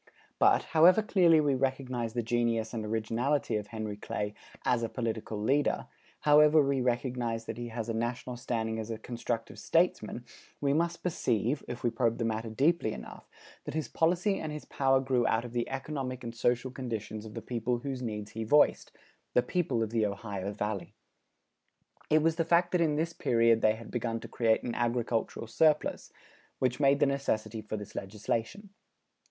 But, however clearly we recognize the genius and originality of Henry Clay as a political leader; however we recognize that he has a national standing as a constructive statesman, we must perceive, if we probe the matter deeply enough, that his policy and his power grew out of the economic and social conditions of the people whose needs he voiced the people of the Ohio Valley. It was the fact that in this period they had begun to create an agricultural surplus, which made the necessity for this legislation.